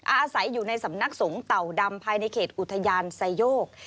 อาศัยอยู่ในสำนักสงฆ์เต่าดำภายในเขตอุทยานไซโยก